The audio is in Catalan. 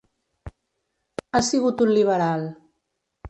Ha sigut un liberal.